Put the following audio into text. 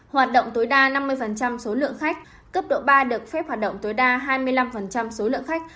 hoạt động tối đa năm mươi số lượng khách cấp độ ba được phép hoạt động tối đa hai mươi năm số lượng khách